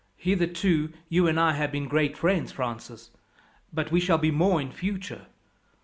"Hitherto you and I have been great friends, Francis, but we shall be more in future.